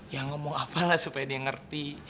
ya ngomong apalah supaya dia ngerti